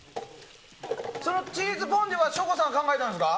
そのチーズフォンデュは省吾さんが考えたんですか？